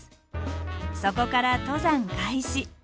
そこから登山開始。